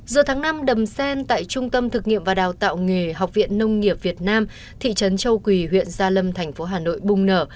giữa tháng năm đầm sen tại trung tâm thực nghiệm và đào tạo nghề học viện nông nghiệp việt nam thị trấn châu quỳ huyện gia lâm thành phố hà nội bùng nở